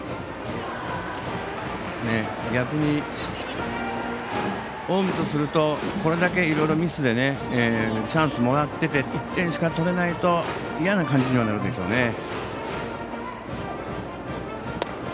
逆に近江とするとこれだけ、いろいろミスでチャンスもらってて１点しか取れないと嫌な感じにはなるでしょうね。